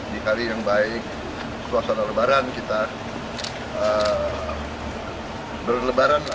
dikali yang baik kekuasaan lebaran kita berlebaran